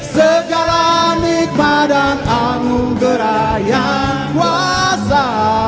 segala nikmah dan anugerah yang kuasa